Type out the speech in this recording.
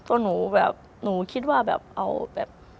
ตัวหนูแบบหนูคิดว่าแบบเอาแบบ